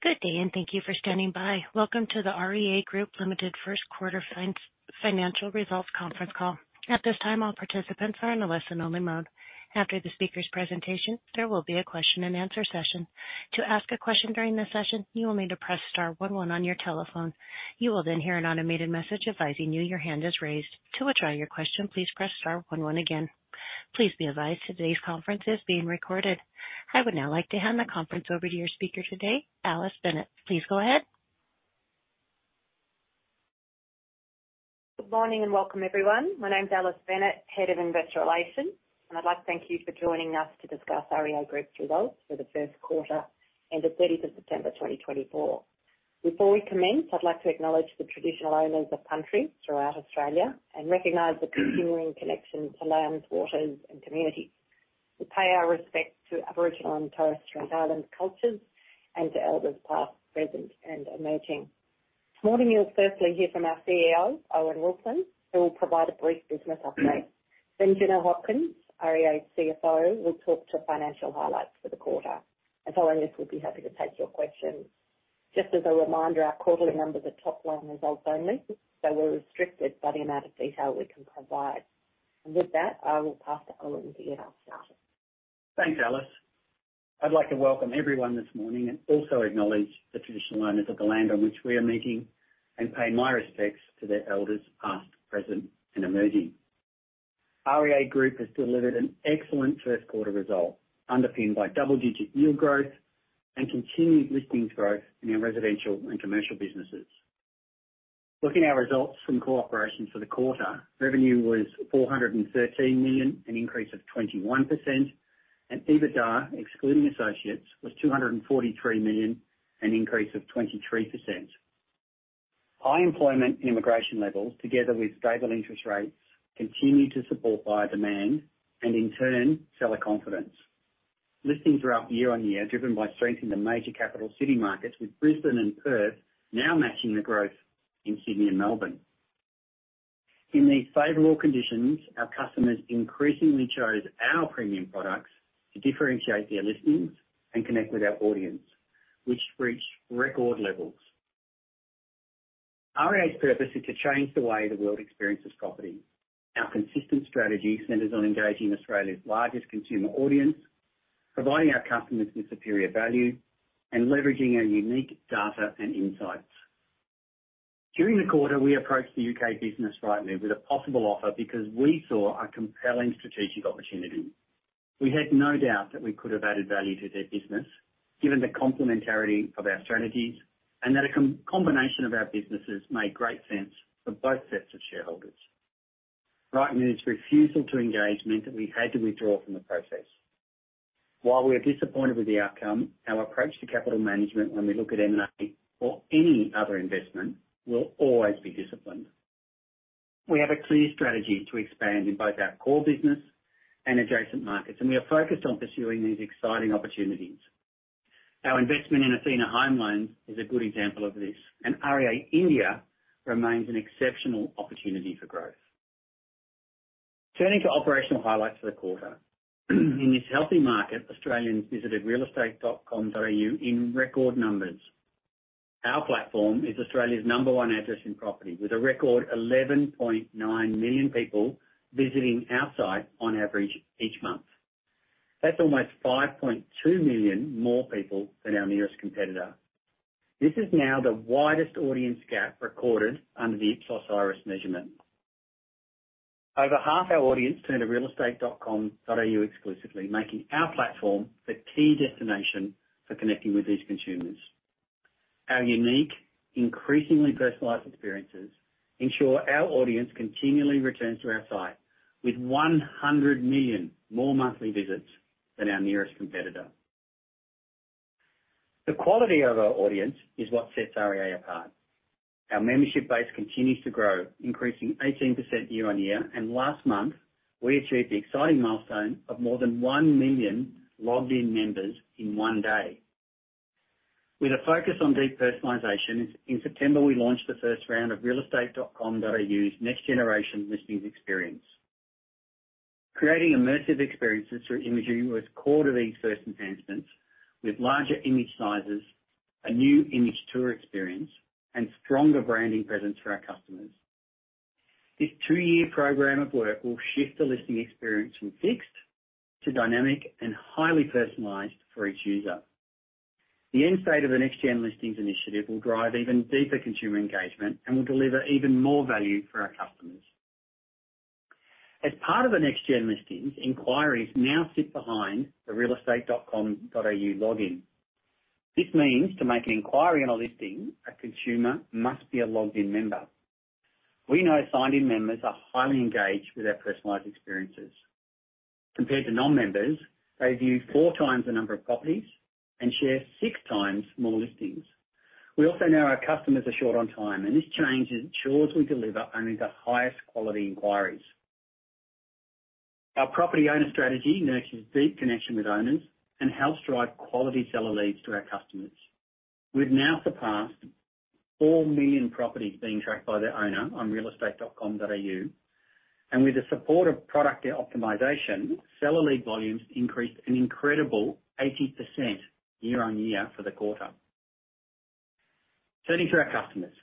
Good day, and thank you for standing by. Welcome to the REA Group Limited First Quarter Financial Results Conference Call. At this time, all participants are in a listen-only mode. After the speaker's presentation, there will be a question-and-answer session. To ask a question during this session, you will need to press star one one on your telephone. You will then hear an automated message advising you your hand is raised. To withdraw your question, please press star one one again. Please be advised today's conference is being recorded. I would now like to hand the conference over to your speaker today, Alice Bennett. Please go ahead. Good morning and welcome, everyone. My name's Alice Bennett, Head of Investor Relations, and I'd like to thank you for joining us to discuss REA Group's results for the first quarter and the 30th of September 2024. Before we commence, I'd like to acknowledge the traditional owners of country throughout Australia and recognize the continuing connection to lands, waters, and communities. We pay our respects to Aboriginal and Torres Strait Islander cultures and to elders past, present, and emerging. This morning, you'll firstly hear from our CEO, Owen Wilson, who will provide a brief business update. Then Janelle Hopkins, REA CFO, will talk to financial highlights for the quarter. And following this, we'll be happy to take your questions. Just as a reminder, our quarterly numbers are top-line results only, so we're restricted by the amount of detail we can provide. With that, I will pass to Owen to get us started. Thanks, Alice. I'd like to welcome everyone this morning and also acknowledge the traditional owners of the land on which we are meeting and pay my respects to their elders past, present, and emerging. REA Group has delivered an excellent first quarter result, underpinned by double-digit yield growth and continued listings growth in our residential and commercial businesses. Looking at our results from operations for the quarter, revenue was 413 million, an increase of 21%, and EBITDA, excluding associates, was 243 million, an increase of 23%. High employment and immigration levels, together with stable interest rates, continue to support buyer demand and, in turn, seller confidence. Listings are up year on year, driven by strength in the major capital city markets, with Brisbane and Perth now matching the growth in Sydney and Melbourne. In these favorable conditions, our customers increasingly chose our premium products to differentiate their listings and connect with our audience, which reached record levels. REA's purpose is to change the way the world experiences property. Our consistent strategy centers on engaging Australia's largest consumer audience, providing our customers with superior value, and leveraging our unique data and insights. During the quarter, we approached the U.K. business, Rightmove, with a possible offer because we saw a compelling strategic opportunity. We had no doubt that we could have added value to their business, given the complementarity of our strategies, and that a combination of our businesses made great sense for both sets of shareholders. Rightmove, this refusal to engage meant that we had to withdraw from the process. While we're disappointed with the outcome, our approach to capital management when we look at M&A or any other investment will always be disciplined. We have a clear strategy to expand in both our core business and adjacent markets, and we are focused on pursuing these exciting opportunities. Our investment in Athena Home Loans is a good example of this, and REA India remains an exceptional opportunity for growth. Turning to operational highlights for the quarter, in this healthy market, Australians visited realestate.com.au in record numbers. Our platform is Australia's number one address in property, with a record 11.9 million people visiting our site on average each month. That's almost 5.2 million more people than our nearest competitor. This is now the widest audience gap recorded under the Ipsos iris measurement. Over half our audience turned to realestate.com.au exclusively, making our platform the key destination for connecting with these consumers. Our unique, increasingly personalized experiences ensure our audience continually returns to our site, with 100 million more monthly visits than our nearest competitor. The quality of our audience is what sets REA apart. Our membership base continues to grow, increasing 18% year on year, and last month, we achieved the exciting milestone of more than 1 million logged-in members in one day. With a focus on deep personalization, in September, we launched the first round of realestate.com.au's Next Generation Listings experience. Creating immersive experiences through imagery was core to these first enhancements, with larger image sizes, a new image tour experience, and stronger branding presence for our customers. This two-year program of work will shift the listing experience from fixed to dynamic and highly personalized for each user. The end state of the Next Gen Listings initiative will drive even deeper consumer engagement and will deliver even more value for our customers. As part of the Next Gen Listings, inquiries now sit behind the realestate.com.au login. This means to make an inquiry on a listing, a consumer must be a logged-in member. We know signed-in members are highly engaged with our personalized experiences. Compared to non-members, they view four times the number of properties and share six times more listings. We also know our customers are short on time, and this change ensures we deliver only the highest quality inquiries. Our property owner strategy nurtures deep connection with owners and helps drive quality seller leads to our customers. We've now surpassed four million properties being tracked by their owner on realestate.com.au, and with the support of product optimization, seller lead volumes increased an incredible 80% year on year for the quarter. Turning to our customers,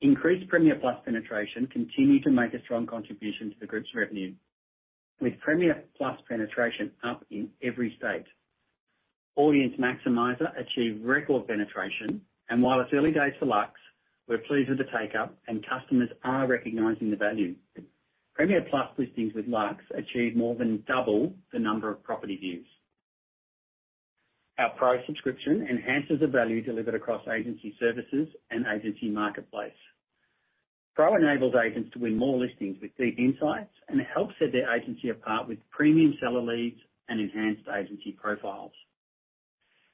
increased Premier+ penetration continues to make a strong contribution to the group's revenue, with Premier+ penetration up in every state. Audience Maximizer achieved record penetration, and while it's early days for Luxe, we're pleased with the take-up, and customers are recognizing the value. Premier+ listings with Luxe achieve more than double the number of property views. Our Pro subscription enhances the value delivered across Agency Services and Agency Marketplace. Pro enables agents to win more listings with deep insights and helps set their agency apart with premium seller leads and enhanced agency profiles.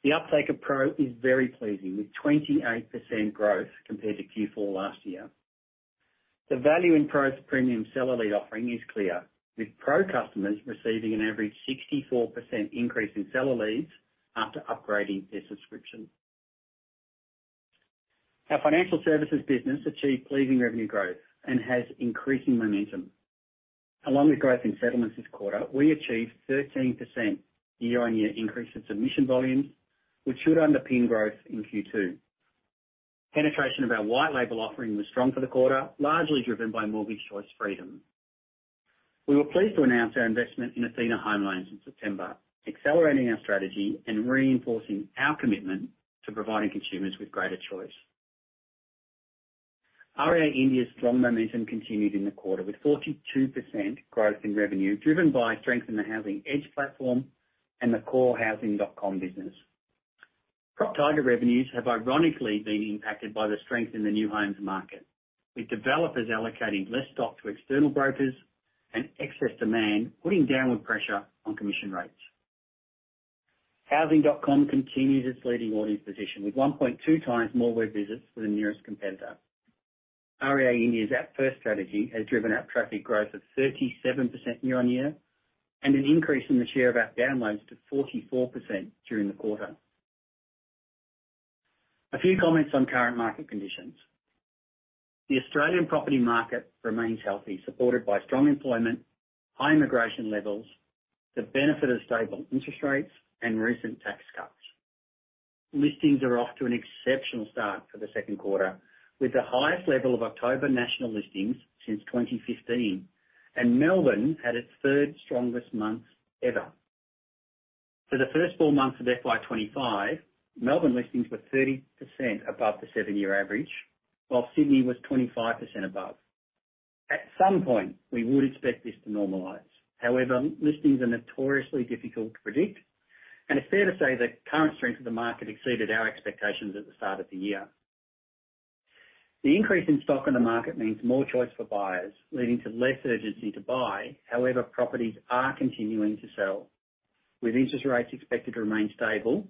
The uptake of Pro is very pleasing, with 28% growth compared to Q4 last year. The value in Pro's premium seller lead offering is clear, with Pro customers receiving an average 64% increase in seller leads after upgrading their subscription. Our financial services business achieved pleasing revenue growth and has increasing momentum. Along with growth in settlements this quarter, we achieved a 13% year-on-year increase in submission volumes, which should underpin growth in Q2. Penetration of our white-label offering was strong for the quarter, largely driven by Mortgage Choice Freedom. We were pleased to announce our investment in Athena Home Loans in September, accelerating our strategy and reinforcing our commitment to providing consumers with greater choice. REA India's strong momentum continued in the quarter, with 42% growth in revenue driven by strength in the Housing Edge platform and the core housing.com business. PropTiger revenues have ironically been impacted by the strength in the new homes market, with developers allocating less stock to external brokers and excess demand putting downward pressure on commission rates. Housing.com continues its leading audience position, with 1.2 times more web visits than the nearest competitor. REA India's app-first strategy has driven app traffic growth of 37% year-on-year and an increase in the share of app downloads to 44% during the quarter. A few comments on current market conditions. The Australian property market remains healthy, supported by strong employment, high immigration levels, the benefit of stable interest rates, and recent tax cuts. Listings are off to an exceptional start for the second quarter, with the highest level of October national listings since 2015, and Melbourne had its 3rd strongest month ever. For the first four months of FY25, Melbourne listings were 30% above the seven-year average, while Sydney was 25% above. At some point, we would expect this to normalize. However, listings are notoriously difficult to predict, and it's fair to say the current strength of the market exceeded our expectations at the start of the year. The increase in stock in the market means more choice for buyers, leading to less urgency to buy. However, properties are continuing to sell. With interest rates expected to remain stable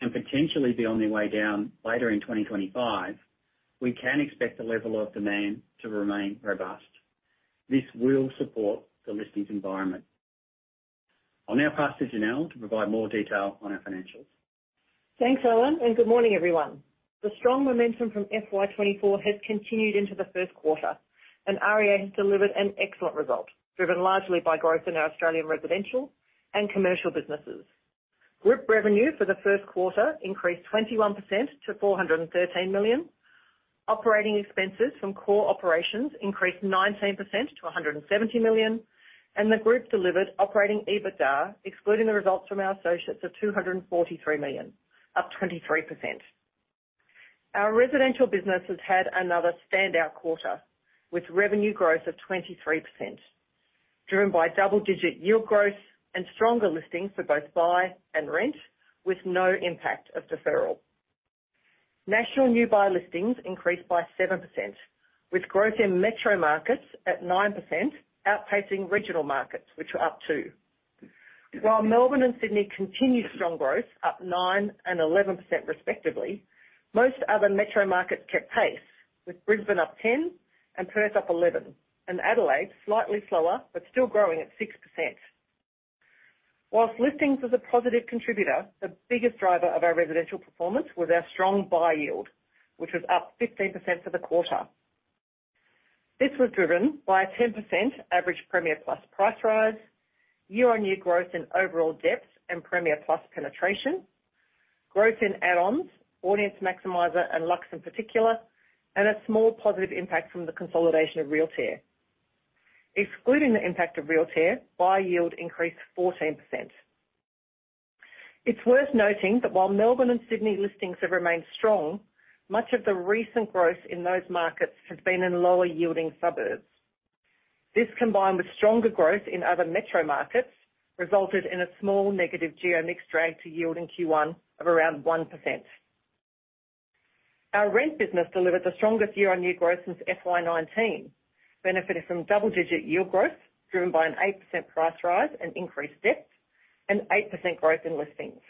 and potentially be on their way down later in 2025, we can expect the level of demand to remain robust. This will support the listings environment. I'll now pass to Janelle to provide more detail on our financials. Thanks, Owen, and good morning, everyone. The strong momentum from FY24 has continued into the first quarter, and REA has delivered an excellent result, driven largely by growth in our Australian residential and commercial businesses. Group revenue for the first quarter increased 21% to 413 million. Operating expenses from core operations increased 19% to 170 million, and the group delivered operating EBITDA, excluding the results from our associates, of 243 million, up 23%. Our residential business has had another standout quarter, with revenue growth of 23%, driven by double-digit yield growth and stronger listings for both buy and rent, with no impact of deferral. National new buy listings increased by 7%, with growth in metro markets at 9%, outpacing regional markets, which were up 2%. While Melbourne and Sydney continued strong growth, up 9% and 11% respectively, most other metro markets kept pace, with Brisbane up 10% and Perth up 11%, and Adelaide slightly slower, but still growing at 6%. While listings were the positive contributor, the biggest driver of our residential performance was our strong buy yield, which was up 15% for the quarter. This was driven by a 10% average Premier+ price rise, year-on-year growth in overall depth and Premier+ penetration, growth in add-ons, Audience Maximizer and Luxe in particular, and a small positive impact from the consolidation of Realtair. Excluding the impact of Realtair, buy yield increased 14%. It's worth noting that while Melbourne and Sydney listings have remained strong, much of the recent growth in those markets has been in lower-yielding suburbs. This, combined with stronger growth in other metro markets, resulted in a small negative geo-mix drag to yield in Q1 of around 1%. Our rent business delivered the strongest year-on-year growth since FY19, benefiting from double-digit yield growth driven by an 8% price rise and increased depth, and 8% growth in listings.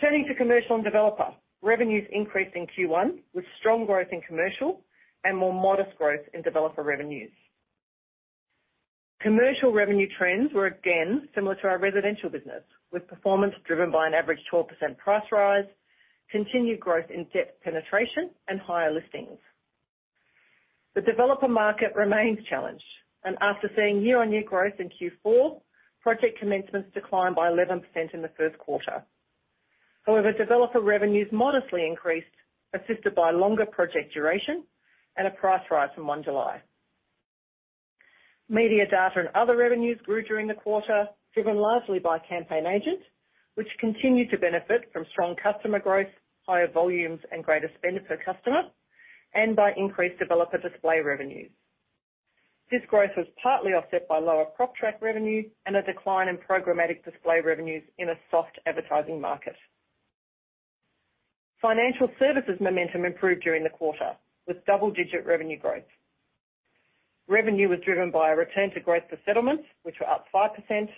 Turning to commercial and developer, revenues increased in Q1 with strong growth in commercial and more modest growth in developer revenues. Commercial revenue trends were again similar to our residential business, with performance driven by an average 12% price rise, continued growth in depth penetration, and higher listings. The developer market remains challenged, and after seeing year-on-year growth in Q4, project commencements declined by 11% in the first quarter. However, developer revenues modestly increased, assisted by longer project duration and a price rise from 1 July. Media data and other revenues grew during the quarter, driven largely by CampaignAgent, which continued to benefit from strong customer growth, higher volumes, and greater spend per customer, and by increased developer display revenues. This growth was partly offset by lower PropTiger revenue and a decline in programmatic display revenues in a soft advertising market. Financial services momentum improved during the quarter with double-digit revenue growth. Revenue was driven by a return to growth for settlements, which were up 5%,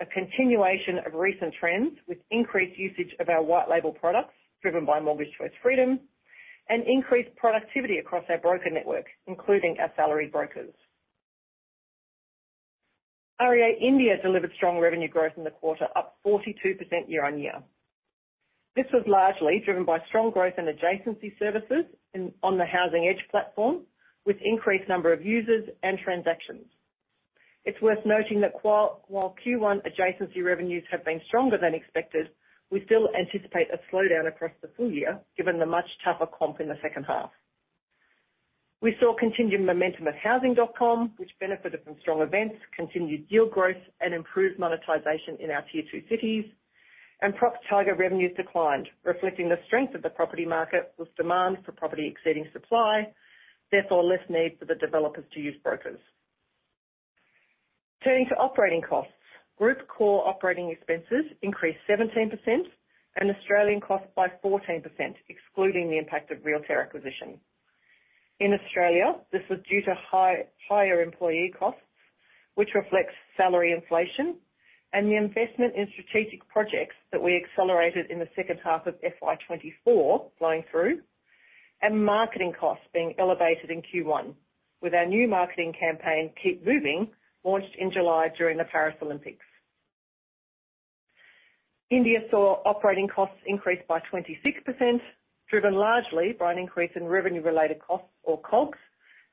a continuation of recent trends with increased usage of our white-label products driven by Mortgage Choice Freedom, and increased productivity across our broker network, including our salaried brokers. REA India delivered strong revenue growth in the quarter, up 42% year-on-year. This was largely driven by strong growth in adjacency services on the Housing Edge platform, with increased number of users and transactions. It's worth noting that while Q1 adjacency revenues have been stronger than expected, we still anticipate a slowdown across the full year given the much tougher comp in the second half. We saw continued momentum at housing.com, which benefited from strong events, continued yield growth, and improved monetization in our Tier 2 cities, and PropTiger revenues declined, reflecting the strength of the property market with demand for property exceeding supply, therefore less need for the developers to use brokers. Turning to operating costs, group core operating expenses increased 17% and Australian costs by 14%, excluding the impact of Realtair acquisition. In Australia, this was due to higher employee costs, which reflects salary inflation, and the investment in strategic projects that we accelerated in the second half of FY24 flowing through, and marketing costs being elevated in Q1 with our new marketing campaign, Keep Moving, launched in July during the Paris Olympics. India saw operating costs increase by 26%, driven largely by an increase in revenue-related costs, or COGS,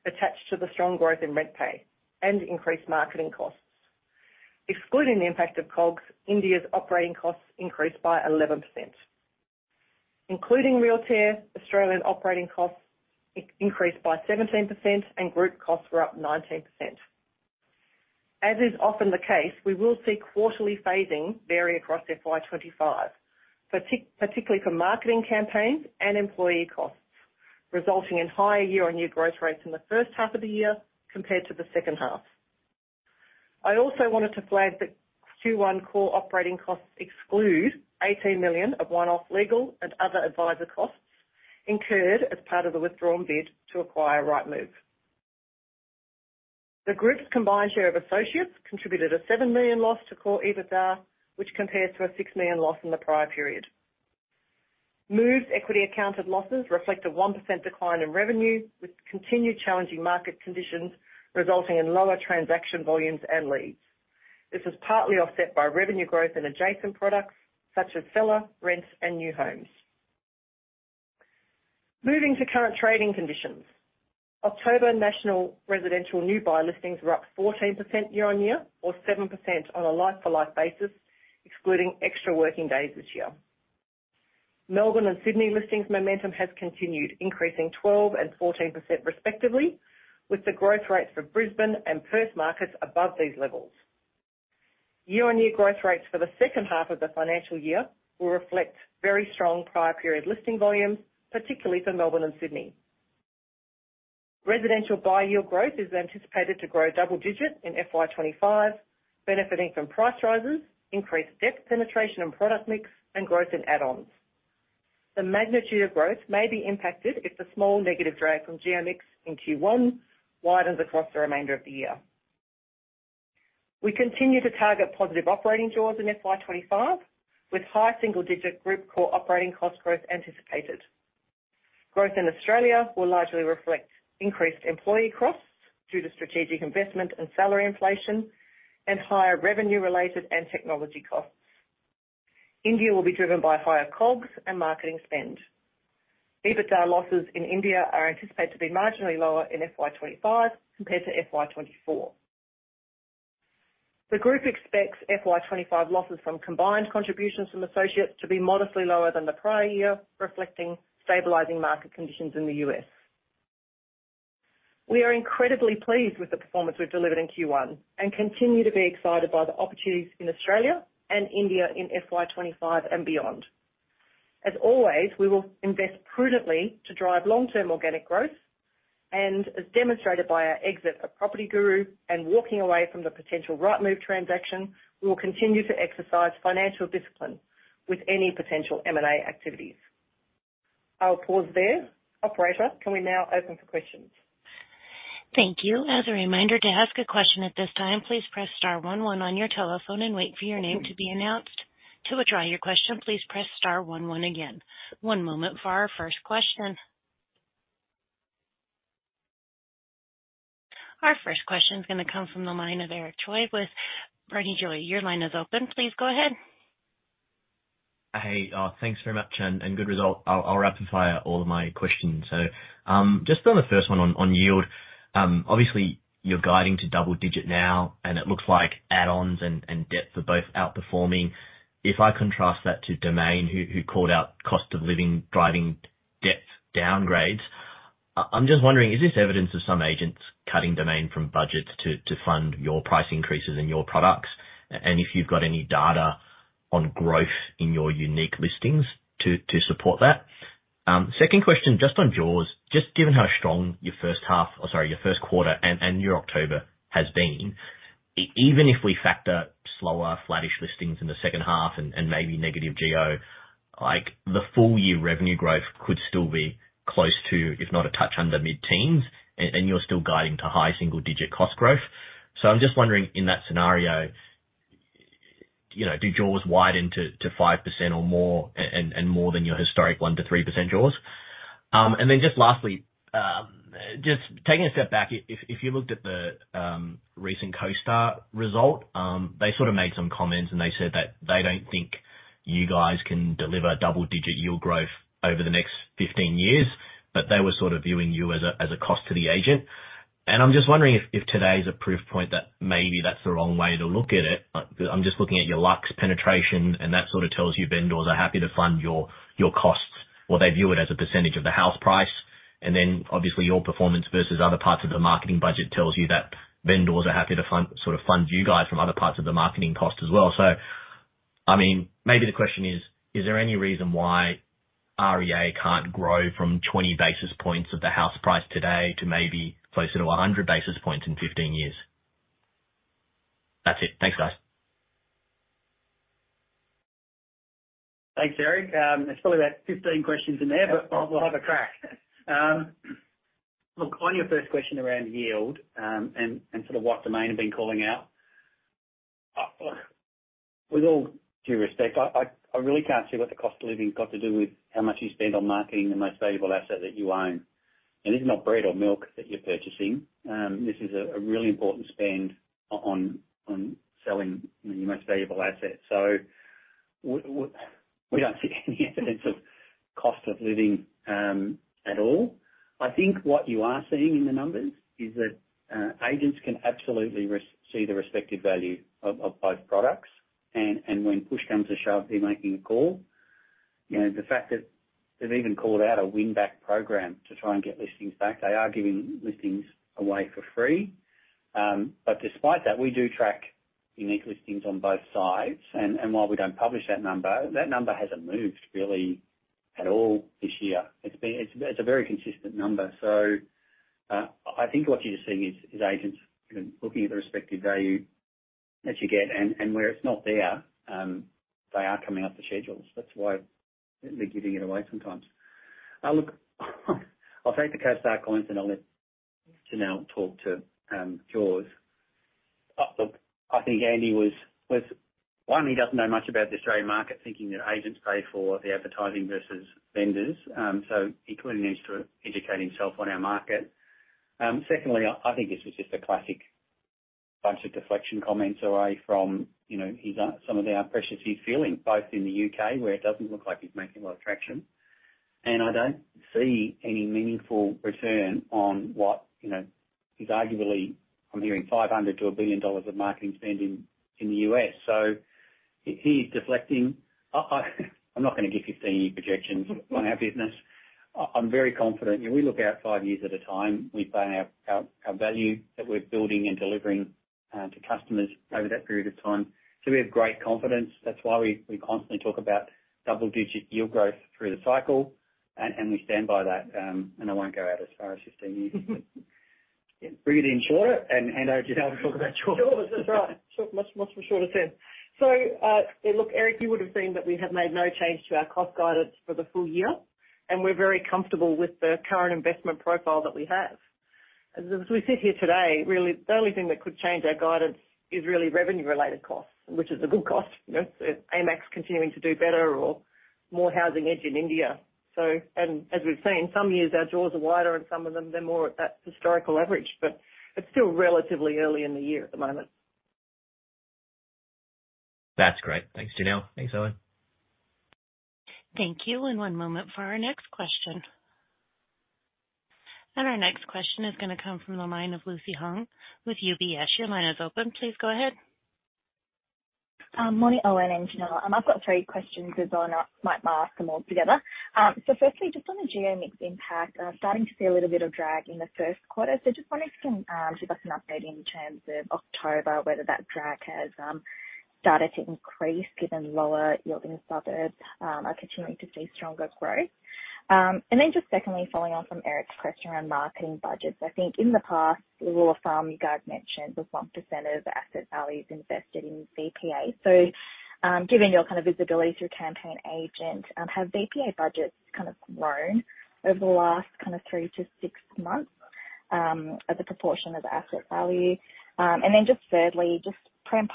attached to the strong growth in RentPay and increased marketing costs. Excluding the impact of COGS, India's operating costs increased by 11%. Including Realtair, Australian operating costs increased by 17%, and group costs were up 19%. As is often the case, we will see quarterly phasing vary across FY25, particularly for marketing campaigns and employee costs, resulting in higher year-on-year growth rates in the first half of the year compared to the second half. I also wanted to flag that Q1 core operating costs exclude 18 million of one-off legal and other advisor costs incurred as part of the withdrawn bid to acquire Rightmove. The group's combined share of associates contributed a 7 million loss to core EBITDA, which compared to a 6 million loss in the prior period. Move equity-accounted losses reflect a 1% decline in revenue, with continued challenging market conditions resulting in lower transaction volumes and leads. This was partly offset by revenue growth in adjacent products such as seller, rent, and new homes. Moving to current trading conditions, October national residential new buy listings were up 14% year-on-year, or 7% on a like-for-like basis, excluding extra working days this year. Melbourne and Sydney listings momentum has continued, increasing 12% and 14% respectively, with the growth rates for Brisbane and Perth markets above these levels. Year-on-year growth rates for the second half of the financial year will reflect very strong prior period listing volumes, particularly for Melbourne and Sydney. Residential buy yield growth is anticipated to grow double-digit in FY25, benefiting from price rises, increased depth penetration and product mix, and growth in add-ons. The magnitude of growth may be impacted if the small negative drag from geo-mix in Q1 widens across the remainder of the year. We continue to target positive operating jaws in FY25, with high single-digit group core operating cost growth anticipated. Growth in Australia will largely reflect increased employee costs due to strategic investment and salary inflation, and higher revenue-related and technology costs. India will be driven by higher COGS and marketing spend. EBITDA losses in India are anticipated to be marginally lower in FY25 compared to FY24. The group expects FY25 losses from combined contributions from associates to be modestly lower than the prior year, reflecting stabilizing market conditions in the U.S. We are incredibly pleased with the performance we've delivered in Q1 and continue to be excited by the opportunities in Australia and India in FY25 and beyond. As always, we will invest prudently to drive long-term organic growth, and as demonstrated by our exit of PropertyGuru and walking away from the potential Rightmove transaction, we will continue to exercise financial discipline with any potential M&A activities. I'll pause there. Operator, can we now open for questions? Thank you. As a reminder, to ask a question at this time, please press star 11 on your telephone and wait for your name to be announced. To withdraw your question, please press star one one again. One moment for our first question. Our first question is going to come from the line of Eric Choi. Barrenjoey, your line is open. Please go ahead. Hey, thanks very much, and good result. I'll rapid-fire all of my questions. So just on the first one on yield, obviously you're guiding to double-digit now, and it looks like add-ons and depth are both outperforming. If I contrast that to Domain, who called out cost of living driving depth downgrades, I'm just wondering, is this evidence of some agents cutting Domain from budgets to fund your price increases and your products? And if you've got any data on growth in your unique listings to support that? Second question, just on jaws, just given how strong your first half, or sorry, your first quarter and your October has been, even if we factor slower, flattish listings in the second half and maybe negative geo, the full-year revenue growth could still be close to, if not a touch under mid-teens, and you're still guiding to high single-digit cost growth. So I'm just wondering, in that scenario, do jaws widen to 5% or more and more than your historic 1%-3% jaws? And then just lastly, just taking a step back, if you looked at the recent CoStar result, they sort of made some comments, and they said that they don't think you guys can deliver double-digit yield growth over the next 15 years, but they were sort of viewing you as a cost to the agent. And I'm just wondering if today's a proof point that maybe that's the wrong way to look at it. I'm just looking at your Luxe penetration, and that sort of tells you vendors are happy to fund your costs, or they view it as a percentage of the house price. And then, obviously, your performance versus other parts of the marketing budget tells you that vendors are happy to sort of fund you guys from other parts of the marketing cost as well. So, I mean, maybe the question is, is there any reason why REA can't grow from 20 basis points of the house price today to maybe closer to 100 basis points in 15 years? That's it. Thanks, guys. Thanks, Eric. It's probably about 15 questions in there, but we'll have a crack. Look, on your first question around yield and sort of what Domain have been calling out, with all due respect, I really can't see what the cost of living has got to do with how much you spend on marketing the most valuable asset that you own. And it's not bread or milk that you're purchasing. This is a really important spend on selling your most valuable asset. So we don't see any evidence of cost of living at all. I think what you are seeing in the numbers is that agents can absolutely see the respective value of both products. And when push comes to shove, they're making a call. The fact that they've even called out a win-back program to try and get listings back. They are giving listings away for free. But despite that, we do track unique listings on both sides. And while we don't publish that number, that number hasn't moved really at all this year. It's a very consistent number. So I think what you're seeing is agents looking at the respective value that you get, and where it's not there, they are coming off the schedules. That's why they're giving it away sometimes. Look, I'll take the CoStar comments, and I'll let Janelle talk to jaws. Look, I think Andy was wrong, he doesn't know much about the Australian market, thinking that agents pay for the advertising versus vendors. So he clearly needs to educate himself on our market. Secondly, I think this was just a classic bunch of deflection comments away from some of the pressures he's feeling, both in the U.K., where it doesn't look like he's making a lot of traction. I don't see any meaningful return on what is arguably, I'm hearing, $500-$1 billion of marketing spend in the U.S. He's deflecting. I'm not going to give 15-year projections on our business. I'm very confident. We look out five years at a time. We find out our value that we're building and delivering to customers over that period of time. We have great confidence. That's why we constantly talk about double-digit yield growth through the cycle, and we stand by that. I won't go out as far as 15 years. Bring it in shorter, and Janelle will talk about jaws. That's right. Much shorter term. Look, Eric, you would have seen that we have made no change to our cost guidance for the full year, and we're very comfortable with the current investment profile that we have. As we sit here today, really, the only thing that could change our guidance is really revenue-related costs, which is a good cost, add-ons continuing to do better or more Housing Edge in India, and as we've seen, some years, our jaws are wider, and some of them, they're more at that historical average, but it's still relatively early in the year at the moment. That's great. Thanks, Janelle. Thanks, Owen. Thank you. And one moment for our next question. And our next question is going to come from the line of Lucy Huang with UBS. Your line is open. Please go ahead. Morning, Owen and Janelle. I've got three questions as well. I might ask them all together. So firstly, just on the geo-mix impact, starting to see a little bit of drag in the first quarter. So just wondering if you can give us an update in terms of October, whether that drag has started to increase given lower yielding suburbs are continuing to see stronger growth. And then just secondly, following on from Eric's question around marketing budgets, I think in the past, a little of some you guys mentioned was 1% of asset values invested in VPA. So given your kind of visibility through CampaignAgent, have VPA budgets kind of grown over the last kind of three to six months as a proportion of asset value? And then just thirdly, just Premier+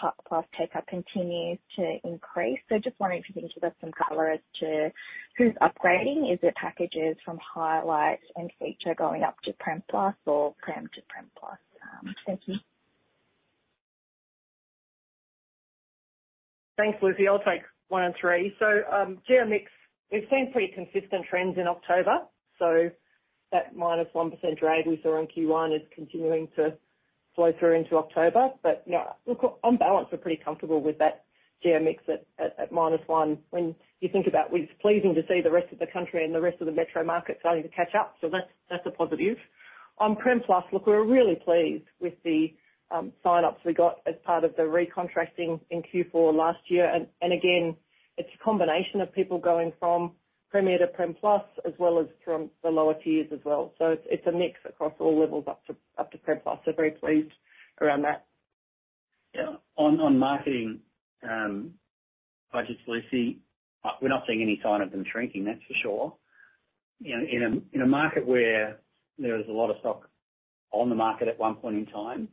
take-up continues to increase. So just wondering if you can give us some color as to who's upgrading. Is it packages from Highlight and Feature going up to Premier+ or Premier to Premier+? Thank you. Thanks, Lucy. I'll take one and three. So geo-mix, we've seen pretty consistent trends in October. So that -1% drag we saw in Q1 is continuing to flow through into October. But look, on balance, we're pretty comfortable with that geo-mix at minus 1%. When you think about it, it's pleasing to see the rest of the country and the rest of the metro markets starting to catch up. So that's a positive. On Premier+, look, we're really pleased with the sign-ups we got as part of the recontracting in Q4 last year. And again, it's a combination of people going from Premier to Premier+ as well as from the lower tiers as well. So it's a mix across all levels up to Premier+. So very pleased around that. Yeah. On marketing budgets, Lucy, we're not seeing any sign of them shrinking, that's for sure. In a market where there was a lot of stock on the market at one point in time,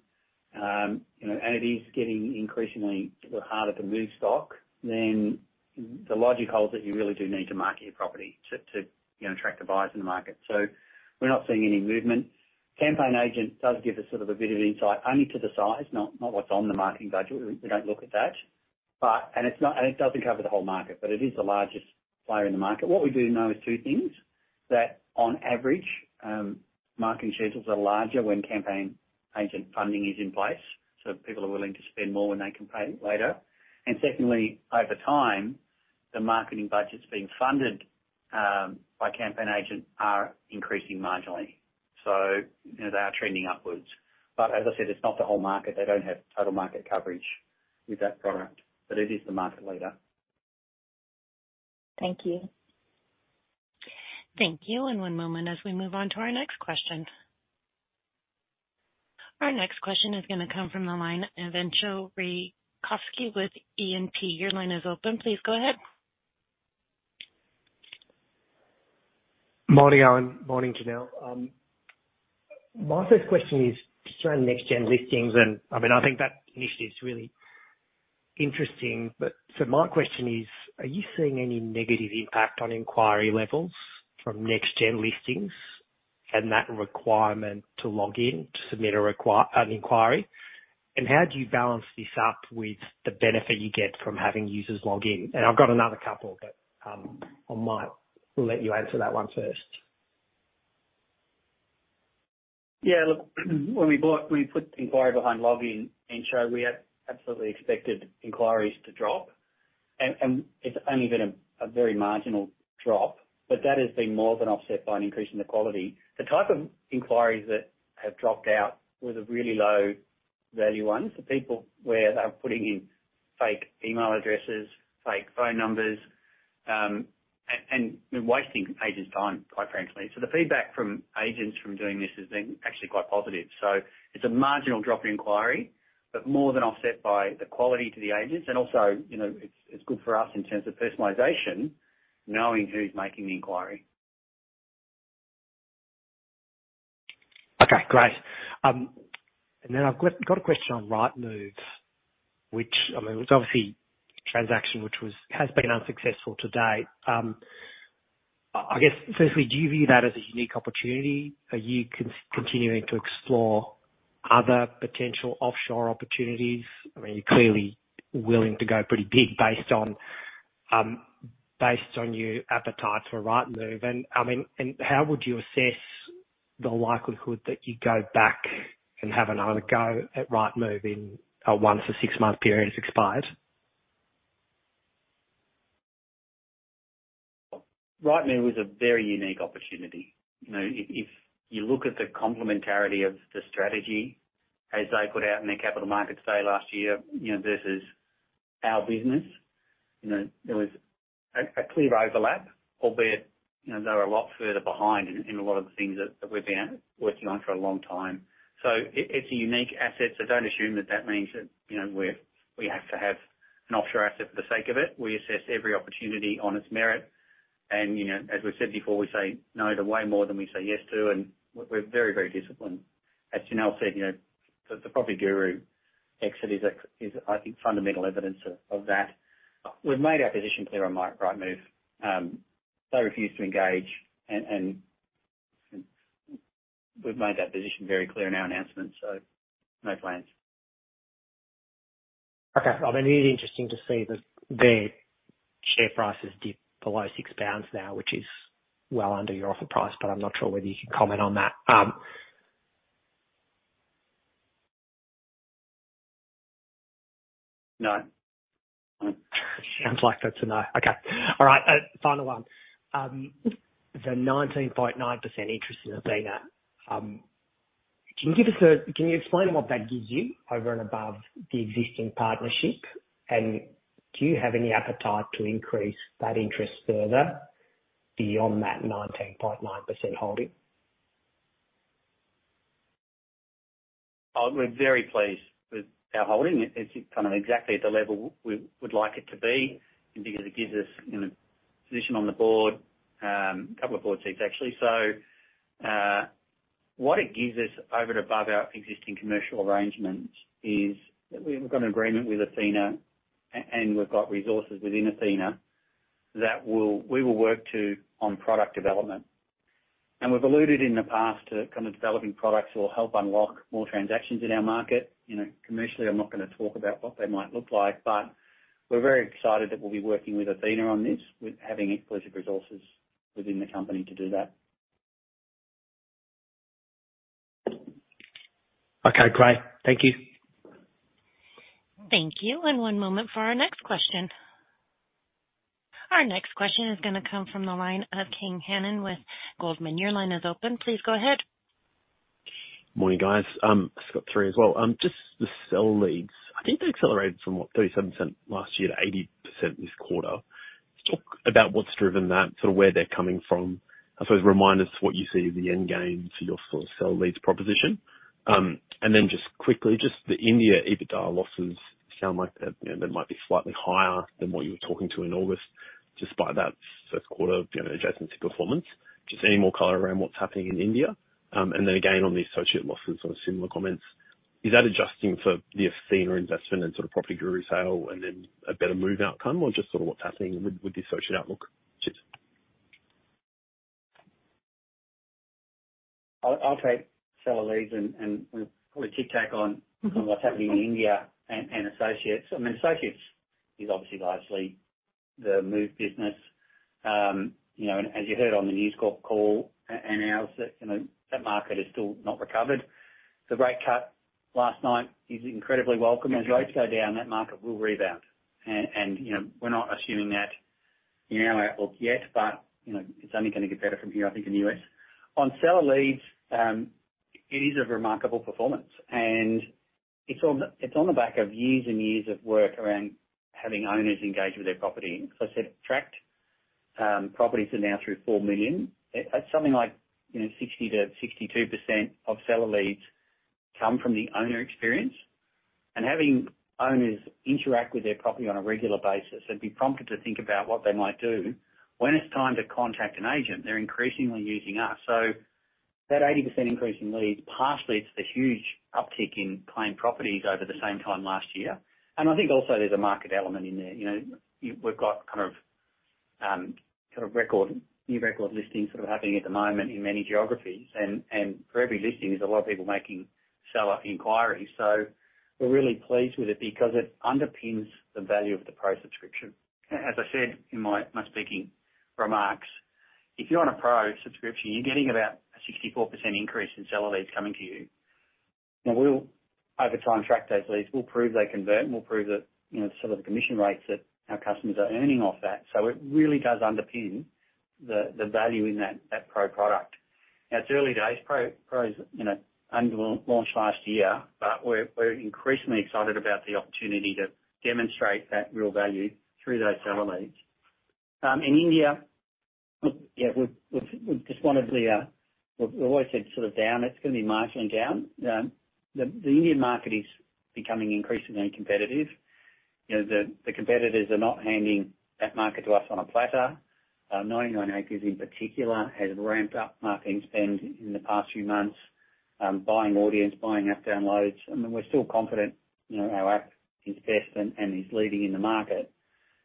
and it is getting increasingly harder to move stock, then the logic holds that you really do need to market your property to attract the buyers in the market. So we're not seeing any movement. CampaignAgent does give us sort of a bit of insight, only to the size, not what's on the marketing budget. We don't look at that, and it doesn't cover the whole market, but it is the largest player in the market. What we do know is two things. That on average, marketing schedules are larger when CampaignAgent funding is in place. So people are willing to spend more when they can pay later. And secondly, over time, the marketing budgets being funded by CampaignAgent are increasing marginally. So they are trending upwards. But as I said, it's not the whole market. They don't have total market coverage with that product, but it is the market leader. Thank you. Thank you. And one moment as we move on to our next question. Our next question is going to come from the line of Entcho Raykovski with E&P. Your line is open. Please go ahead. Morning, Owen. Morning, Janelle. My first question is just around next-gen listings. And I mean, I think that initiative is really interesting. But so my question is, are you seeing any negative impact on inquiry levels from next-gen listings and that requirement to log in to submit an inquiry? And how do you balance this up with the benefit you get from having users log in? And I've got another couple, but I might let you answer that one first. Yeah. Look, when we put the inquiry behind login, Entcho, we had absolutely expected inquiries to drop. And it's only been a very marginal drop, but that has been more than offset by an increase in the quality. The type of inquiries that have dropped out were the really low-value ones. The people where they were putting in fake email addresses, fake phone numbers, and wasting agents' time, quite frankly. So the feedback from agents from doing this has been actually quite positive. So it's a marginal drop in inquiry, but more than offset by the quality to the agents. And also, it's good for us in terms of personalization, knowing who's making the inquiry. Okay. Great. And then I've got a question on Rightmove, which, I mean, it's obviously a transaction which has been unsuccessful to date. I guess, firstly, do you view that as a unique opportunity? Are you continuing to explore other potential offshore opportunities? I mean, you're clearly willing to go pretty big based on your appetite for Rightmove. And I mean, how would you assess the likelihood that you go back and have another go at Rightmove once a one-to-six-month period has expired? Rightmove is a very unique opportunity. If you look at the complementarity of the strategy, as they put out in their capital markets day last year versus our business, there was a clear overlap, albeit they were a lot further behind in a lot of the things that we've been working on for a long time. So it's a unique asset. So don't assume that that means that we have to have an offshore asset for the sake of it. We assess every opportunity on its merit. And as we've said before, we say no to way more than we say yes to. And we're very, very disciplined. As Janelle said, the PropertyGuru exit is, I think, fundamental evidence of that. We've made our position clear on Rightmove. They refused to engage, and we've made that position very clear in our announcement. So no plans. Okay. I mean, it'd be interesting to see the share price is below 6 pounds now, which is well under your offer price, but I'm not sure whether you can comment on that. No. Sounds like that's a no. Okay. All right. Final one. The 19.9% interest in Athena, can you explain what that gives you over and above the existing partnership? And do you have any appetite to increase that interest further beyond that 19.9% holding? We're very pleased with our holding. It's kind of exactly at the level we would like it to be because it gives us position on the board, a couple of board seats, actually, so what it gives us over and above our existing commercial arrangements is that we've got an agreement with Athena, and we've got resources within Athena that we will work to on product development, and we've alluded in the past to kind of developing products that will help unlock more transactions in our market. Commercially, I'm not going to talk about what they might look like, but we're very excited that we'll be working with Athena on this, having exclusive resources within the company to do that. Okay. Great. Thank you. Thank you. And one moment for our next question. Our next question is going to come from the line of Kane Hannan with Goldman. Your line is open. Please go ahead. Morning, guys. Q3 as well. Just the sell leads. I think they accelerated from what, 37% last year to 80% this quarter. Talk about what's driven that, sort of where they're coming from. I suppose remind us what you see as the end game for your sell leads proposition. And then just quickly, just the India EBITDA losses sound like they might be slightly higher than what you were talking to in August, despite that first quarter adjacency performance. Just any more color around what's happening in India? And then again, on the associate losses, sort of similar comments. Is that adjusting for the Athena investment and sort of PropertyGuru sale and then a better Move outcome, or just sort of what's happening with the associate outlook? I'll take sell leads, and we'll probably tack on what's happening in India and associates. I mean, associates is obviously largely the Move business. And as you heard on the news call and ours, that market has still not recovered. The rate cut last night is incredibly welcome. As rates go down, that market will rebound. And we're not assuming that in our outlook yet, but it's only going to get better from here, I think, in the U.S. On sell leads, it is a remarkable performance. And it's on the back of years and years of work around having owners engage with their property. As I said, active properties are now through 4 million. That's something like 60%-62% of sell leads come from the owner experience. Having owners interact with their property on a regular basis and be prompted to think about what they might do when it's time to contact an agent, they're increasingly using us. That 80% increase in leads, partially it's the huge uptick in claimed properties over the same time last year. I think also there's a market element in there. We've got kind of new record listings sort of happening at the moment in many geographies. For every listing, there's a lot of people making seller inquiries. We're really pleased with it because it underpins the value of the Pro subscription. As I said in my speaking remarks, if you're on a Pro subscription, you're getting about a 64% increase in sell leads coming to you. We'll, over time, track those leads. We'll prove they convert, and we'll prove that some of the commission rates that our customers are earning off that. So it really does underpin the value in that Pro product. Now, it's early days. Pro is under launch last year, but we're increasingly excited about the opportunity to demonstrate that real value through those sell leads. In India, yeah, we've always said sort of down. It's going to be marginally down. The Indian market is becoming increasingly competitive. The competitors are not handing that market to us on a platter. 99acres in particular has ramped up marketing spend in the past few months, buying audience, buying app downloads. I mean, we're still confident our app is best and is leading in the market,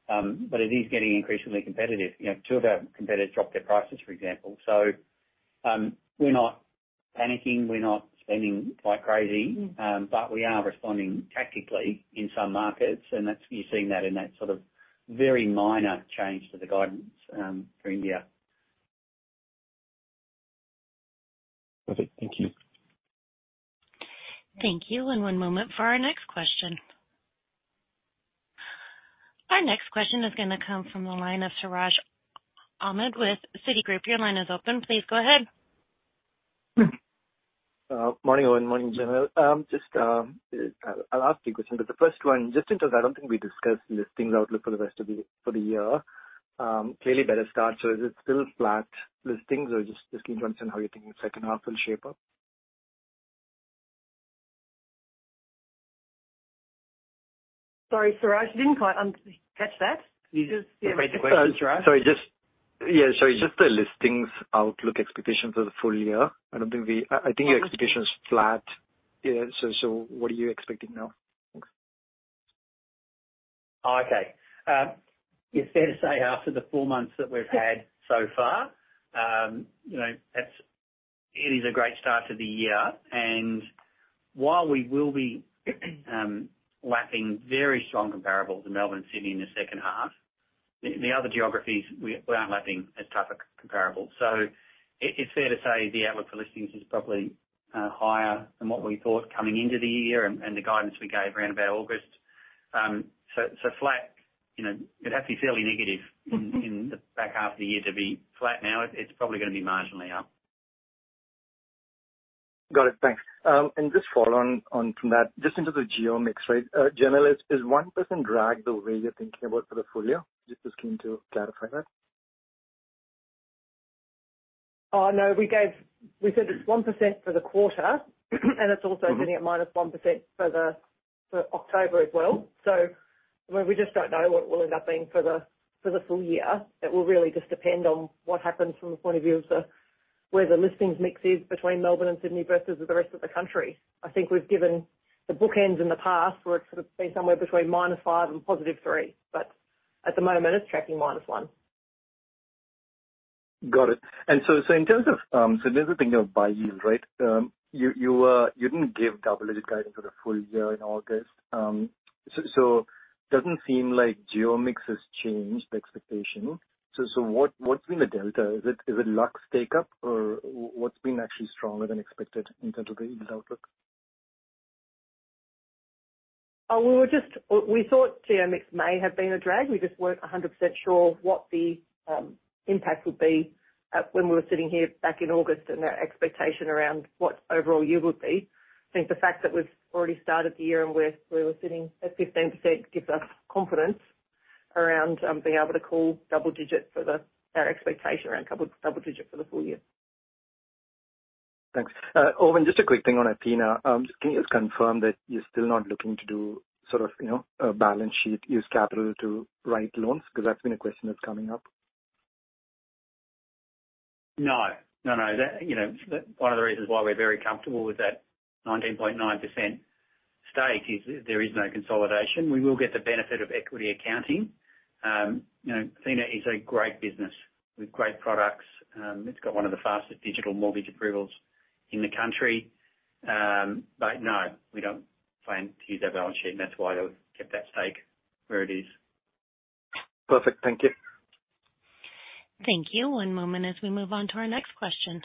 but it is getting increasingly competitive. Two of our competitors dropped their prices, for example. So we're not panicking. We're not spending quite crazy, but we are responding tactically in some markets, and you're seeing that in that sort of very minor change to the guidance for India. Perfect. Thank you. Thank you. And one moment for our next question. Our next question is going to come from the line of Siraj Ahmed with Citigroup. Your line is open. Please go ahead. Morning, Owen. Morning, Janelle. Just a last big question. But the first one, just in case I don't think we discussed listings outlook for the rest of the year, clearly better start. So is it still flat listings, or just keen to understand how you're thinking the second half will shape up? Sorry, Siraj, didn't quite catch that. You just made the question, Siraj? Sorry. Yeah. Just the listings outlook expectations for the full year. I think your expectation is flat. So what are you expecting now? Oh, okay. It's fair to say after the four months that we've had so far, it is a great start to the year. And while we will be lapping very strong comparables in Melbourne and Sydney in the second half, the other geographies, we aren't lapping as tough a comparable. So it's fair to say the outlook for listings is probably higher than what we thought coming into the year and the guidance we gave around about August. So flat, it'd have to be fairly negative in the back half of the year to be flat now. It's probably going to be marginally up. Got it. Thanks. And just follow on from that, just into the geo mix, right? Janelle, is 1% drag the way you're thinking about for the full year? Just as keen to clarify that. No, we said it's 1% for the quarter, and it's also doing -1% for October as well. So we just don't know what it will end up being for the full year. It will really just depend on what happens from the point of view of where the listings mix is between Melbourne and Sydney versus the rest of the country. I think we've given the bookends in the past where it's sort of been somewhere between -5% and +3%. But at the moment, it's tracking -1%. Got it. In terms of thinking of buy yield, right, you didn't give double-digit guidance for the full year in August. So it doesn't seem like geo mix has changed the expectation. So what's been the delta? Is it Luxe take-up, or what's been actually stronger than expected in terms of the yield outlook? We thought Geo-mix may have been a drag. We just weren't 100% sure what the impact would be when we were sitting here back in August and that expectation around what overall yield would be. I think the fact that we've already started the year and we were sitting at 15% gives us confidence around being able to call double digit for our expectation around double digit for the full year. Thanks. Owen, just a quick thing on Athena. Can you just confirm that you're still not looking to do sort of a balance sheet use capital to write loans? Because that's been a question that's coming up. No. No, no. One of the reasons why we're very comfortable with that 19.9% stake is there is no consolidation. We will get the benefit of equity accounting. Athena is a great business with great products. It's got one of the fastest digital mortgage approvals in the country. But no, we don't plan to use that balance sheet. And that's why we've kept that stake where it is. Perfect. Thank you. Thank you. One moment as we move on to our next question.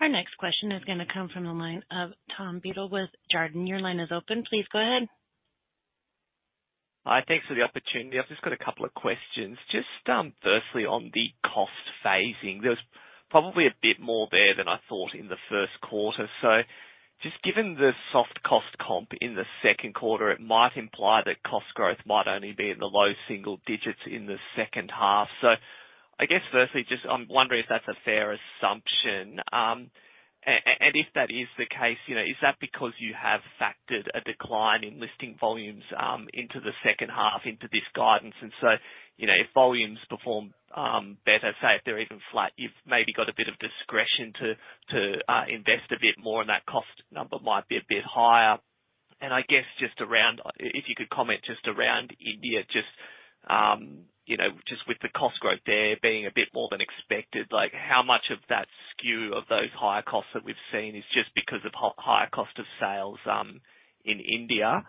Our next question is going to come from the line of Tom Beadle with Jarden. Your line is open. Please go ahead. Hi. Thanks for the opportunity. I've just got a couple of questions. Just firstly on the cost phasing, there was probably a bit more there than I thought in the first quarter, so just given the soft cost comp in the second quarter, it might imply that cost growth might only be in the low single digits in the second half, so I guess firstly, just I'm wondering if that's a fair assumption, and if that is the case, is that because you have factored a decline in listing volumes into the second half into this guidance, and so if volumes perform better, say if they're even flat, you've maybe got a bit of discretion to invest a bit more and that cost number might be a bit higher. And I guess just around, if you could comment just around India, just with the cost growth there being a bit more than expected, how much of that skew of those higher costs that we've seen is just because of higher cost of sales in India?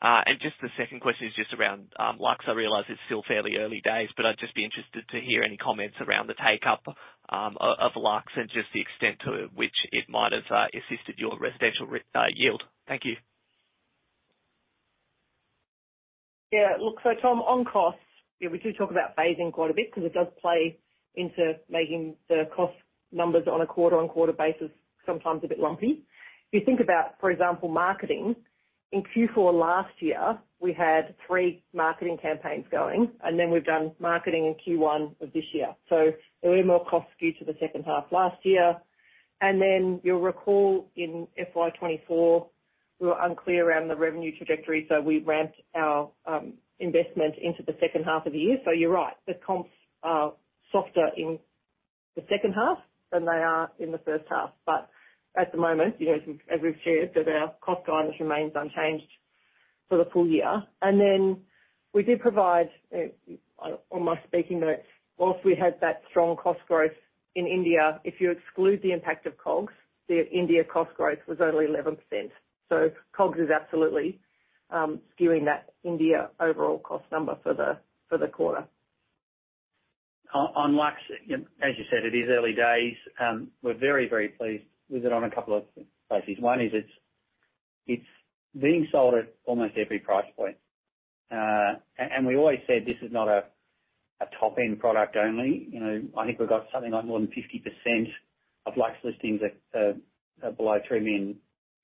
And just the second question is just around Luxe. I realize it's still fairly early days, but I'd just be interested to hear any comments around the take-up of Luxe and just the extent to which it might have assisted your residential yield? Thank you. Yeah. Look, so Tom, on costs, we do talk about phasing quite a bit because it does play into making the cost numbers on a quarter-on-quarter basis sometimes a bit lumpy. If you think about, for example, marketing, in Q4 last year, we had three marketing campaigns going, and then we've done marketing in Q1 of this year. So there were more cost skew to the second half last year. And then you'll recall in FY24, we were unclear around the revenue trajectory, so we ramped our investment into the second half of the year. So you're right. The comps are softer in the second half than they are in the first half. But at the moment, as we've shared, our cost guidance remains unchanged for the full year. And then we did provide, on my speaking notes, while we had that strong cost growth in India, if you exclude the impact of COGS, the India cost growth was only 11%. So COGS is absolutely skewing that India overall cost number for the quarter. On Luxe, as you said, it is early days. We're very, very pleased with it on a couple of places. One is it's being sold at almost every price point. And we always said this is not a top-end product only. I think we've got something like more than 50% of Luxe listings are below 3 million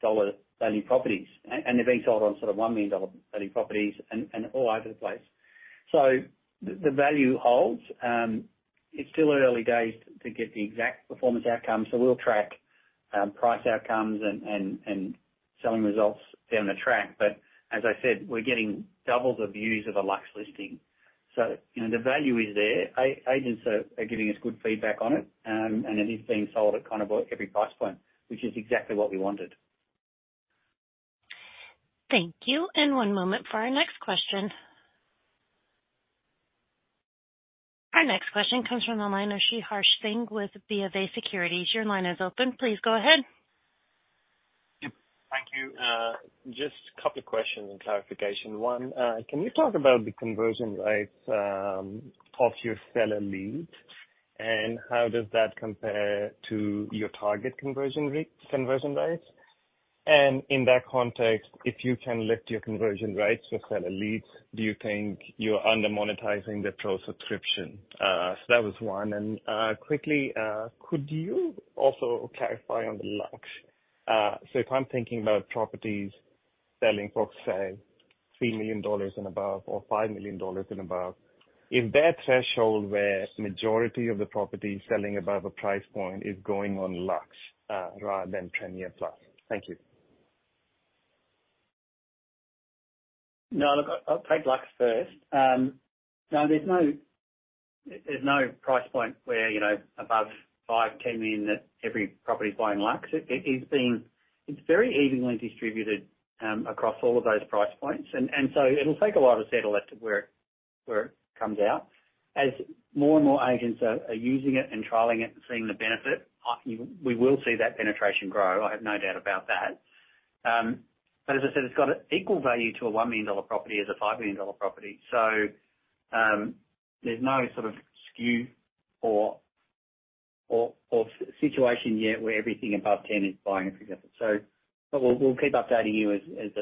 dollar value properties. And they're being sold on sort of 1 million dollar value properties and all over the place. So the value holds. It's still early days to get the exact performance outcome. So we'll track price outcomes and selling results down the track. But as I said, we're getting doubles of views of a Luxe listing. So the value is there. Agents are giving us good feedback on it, and it is being sold at kind of every price point, which is exactly what we wanted. Thank you. One moment for our next question. Our next question comes from the line of Sriharsh Singh with BofA Securities. Your line is open. Please go ahead. Thank you. Just a couple of questions and clarification. One, can you talk about the conversion rates of your sell leads, and how does that compare to your target conversion rates? And in that context, if you can lift your conversion rates for sell leads, do you think you're undermonetizing the Pro subscription? So that was one. And quickly, could you also clarify on the Luxe? So if I'm thinking about properties selling for, say, 3 million dollars and above or 5 million dollars and above, is there a threshold where the majority of the properties selling above a price point is going on Luxe rather than Premier+? Thank you. No, look, I'll take Luxe first. No, there's no price point where above 5, 10 million that every property is buying Luxe. It's very evenly distributed across all of those price points. And so it'll take a lot of settle to where it comes out. As more and more agents are using it and trialing it and seeing the benefit, we will see that penetration grow. I have no doubt about that. But as I said, it's got an equal value to a 1 million dollar property as a 5 million dollar property. So there's no sort of skew or situation yet where everything above 10 is buying it, for example. But we'll keep updating you as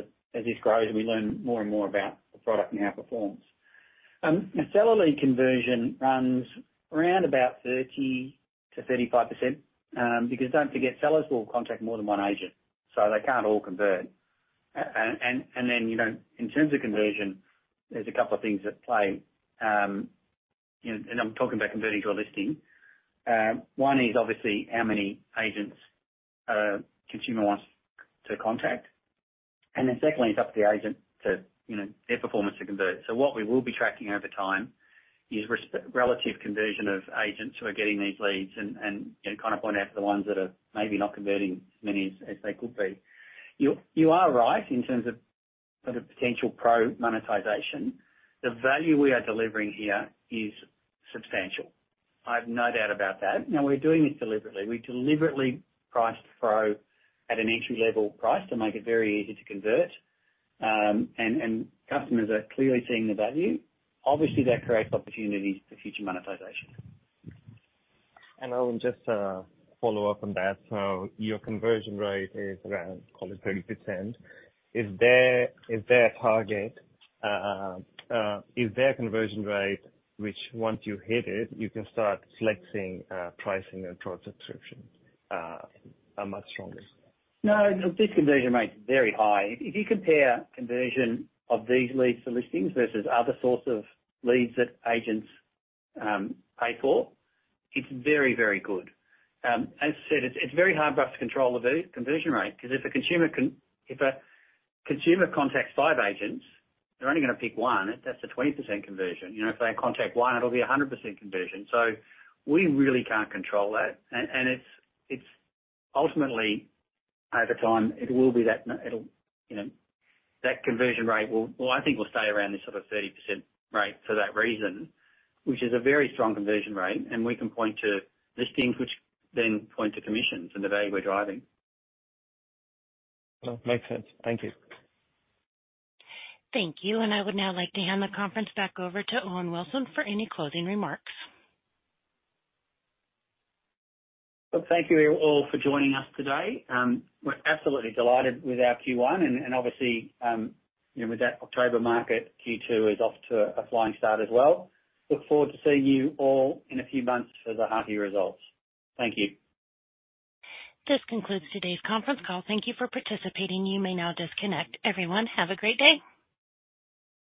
this grows and we learn more and more about the product and how it performs. Seller lead conversion runs around about 30%-35% because don't forget, sellers will contact more than one agent. So they can't all convert. And then in terms of conversion, there's a couple of things that play. And I'm talking about converting to a listing. One is obviously how many agents a consumer wants to contact. And then secondly, it's up to the agent to their performance to convert. So what we will be tracking over time is relative conversion of agents who are getting these leads and kind of point out the ones that are maybe not converting as many as they could be. You are right in terms of potential Pro monetization. The value we are delivering here is substantial. I have no doubt about that. Now, we're doing this deliberately. We deliberately priced Pro at an entry-level price to make it very easy to convert. And customers are clearly seeing the value. Obviously, that creates opportunities for future monetization. Owen, just to follow up on that. Your conversion rate is around, call it, 30%. Is there a target? Is there a conversion rate which once you hit it, you can start flexing pricing and Pro subscription much stronger? No, this conversion rate is very high. If you compare conversion of these leads to listings versus other sorts of leads that agents pay for, it's very, very good. As I said, it's very hard for us to control the conversion rate because if a consumer contacts five agents, they're only going to pick one. That's a 20% conversion. If they contact one, it'll be a 100% conversion. So we really can't control that. And ultimately, over time, it will be that the conversion rate will, I think, stay around this sort of 30% rate for that reason, which is a very strong conversion rate. And we can point to listings, which then point to commissions and the value we're driving. That makes sense. Thank you. Thank you. And I would now like to hand the conference back over to Owen Wilson for any closing remarks. Thank you all for joining us today. We're absolutely delighted with our Q1. Obviously, with that October market, Q2 is off to a flying start as well. Look forward to seeing you all in a few months for the half-yearly results. Thank you. This concludes today's conference call. Thank you for participating. You may now disconnect. Everyone, have a great day.